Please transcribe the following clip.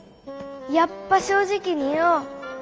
やっぱ正直に言おう。